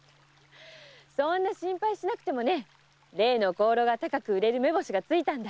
そんな心配しなくても例の香炉が高く売れる目星がついたんだ。